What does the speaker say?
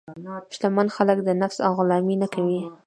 شتمن خلک د نفس غلامي نه کوي.